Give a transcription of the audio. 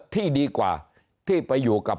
ที่ดีกว่าที่ไปอยู่กับ